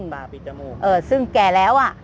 บาปิดจมูกเออซึ่งแก่แล้วอ่ะ